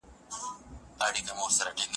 له اوښکه اوښکه خوشالیو نه شبنم راواخله